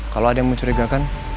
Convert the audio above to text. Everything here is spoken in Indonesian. kalau ada yang mencurigakan